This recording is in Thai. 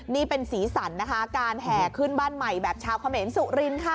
นี่เป็นสีสันนะคะการแห่ขึ้นบ้านใหม่แบบชาวเขมรสุรินค่ะ